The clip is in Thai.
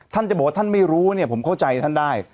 ท่านจะบอกว่าท่านไม่รู้เนี่ยผมเข้าใจท่านได้